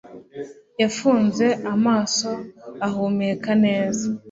yafunze amaso ahumeka neza.